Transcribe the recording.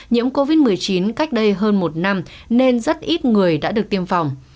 nhiễm covid một mươi chín cách đây hơn một năm nên rất ít người đã được tiêm phòng